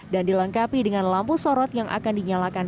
dan dilengkapi dengan lampu sorot yang akan dinyalakan